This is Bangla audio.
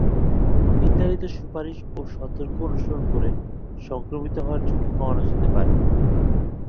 নির্ধারিত সুপারিশ ও সতর্ক অনুসরণ করে সংক্রমিত হওয়ার ঝুঁকি কমানো যেতে পারে।